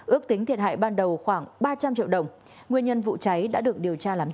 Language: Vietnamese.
ước tính thiệt hại ban đầu khoảng ba trăm linh triệu đồng nguyên nhân vụ cháy đã được điều tra làm rõ